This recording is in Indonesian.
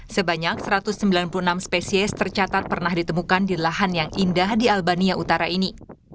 sebanyak satu ratus sembilan puluh enam spesies tercatat pernah ditemukan di lahan yang indah di albania utara ini